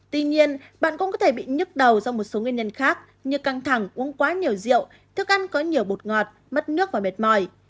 tuy nhiên bạn cũng có thể bị nhức đầu do một số nguyên nhân khác như căng thẳng uống quá nhiều rượu thức ăn có nhiều bột ngọt mất nước và mệt mỏi